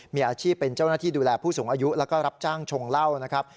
มีอาชีพเป็นเจ้าหน้าที่ดูแลผู้สูงอายุแล้วก็รับจ้างชงเหล้านะครับ